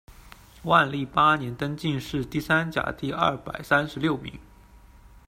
万历八年，登进士第三甲第二百三十六名。